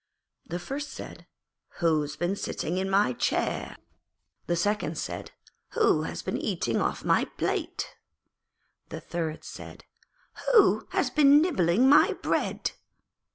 The first said, 'Who has been sitting in my chair?' The second said, 'Who has been eating off my plate?' The third said, 'Who has been nibbling my bread?'